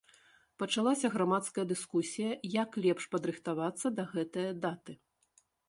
Пачалася грамадская дыскусія, як лепш падрыхтавацца да гэтае даты.